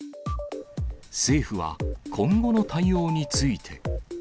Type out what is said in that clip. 政府は、今後の対応について。